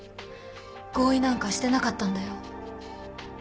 合意なんかしてなかったんだよ。